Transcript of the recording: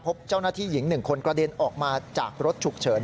พบเจ้าหน้าที่หญิง๑คนกระเด็นออกมาจากรถฉุกเฉิน